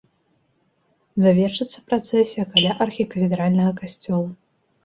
Завершыцца працэсія каля архікафедральнага касцёла.